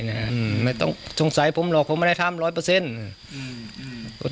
อืมไม่ต้องสงสัยผมหรอกผมไม่ได้ทำร้อยเปอร์เซ็นต์อืม